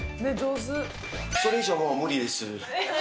それ以上はもう無理です。